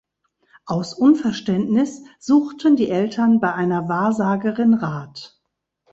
Aus Unverständnis suchten die Eltern bei einer Wahrsagerin Rat.